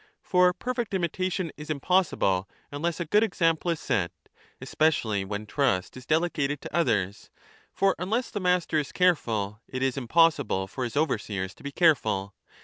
For perfect imitation is impossible unless a good example is set, especially when trust is delegated to 10 others ; for unless the master is careful, it is impossible for his overseers to be careful.